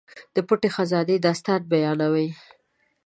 د پټې خزانې داستان بیانوي.